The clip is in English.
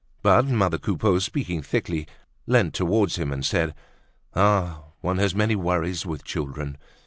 But mother Coupeau, speaking thickly, leant towards him and said: "Ah! one has many worries with children!